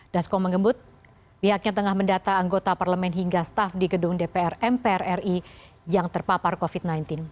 dasko mengembut pihaknya tengah mendata anggota parlemen hingga staf di gedung dpr mpr ri yang terpapar covid sembilan belas